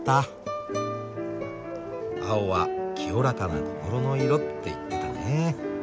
「青は清らかな心の色」って言ってたね。